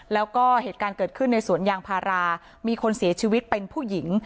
แล้วก็เหตุการณ์เกิดขึ้นในสวนยางพารามีคนเสียชีวิตเป็นผู้หญิง